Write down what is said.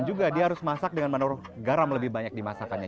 dan juga dia harus masak dengan garam lebih banyak dimasakannya